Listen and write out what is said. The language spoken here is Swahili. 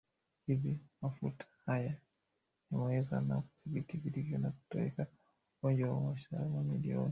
hizi mafua haya yameweza na kudhibitiwa vilivyo na kutoweka Ugonjwa huu umeshaua mamilioni ya